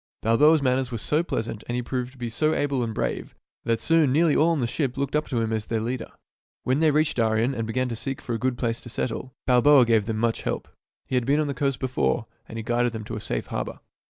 Balboa's manners were so pleasant, and he proved to be so able and brave, that soon nearly all on the ship looked up to him as their leader. When they reached Darien and began to seek for a good place to settle, Balboa gave them much help. He had been on the coast before, and he guided them to a safe harbor.